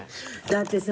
だってさ